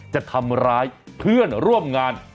จะทำร้ายเพื่อนร่วมงาน